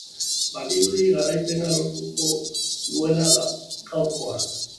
Badirudi garaipena lortuko duela gaurkoan.